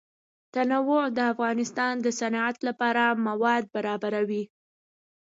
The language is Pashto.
تنوع د افغانستان د صنعت لپاره مواد برابروي.